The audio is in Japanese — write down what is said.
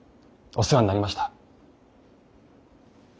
お世話になりました。